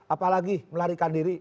apalagi melarikan diri